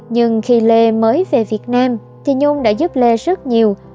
nhưng khi lê mới về việt nam thì nhung đã giúp lê rất nhiều